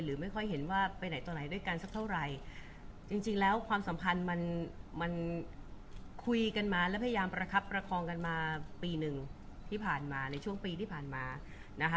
ไม่ค่อยเห็นว่าไปไหนต่อไหนด้วยกันสักเท่าไหร่จริงจริงแล้วความสัมพันธ์มันมันคุยกันมาแล้วพยายามประคับประคองกันมาปีหนึ่งที่ผ่านมาในช่วงปีที่ผ่านมานะคะ